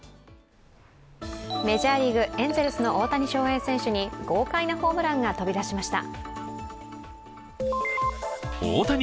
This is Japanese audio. メジャーリーグ、エンゼルスの大谷翔平選手に豪快なホームランが飛び出しました。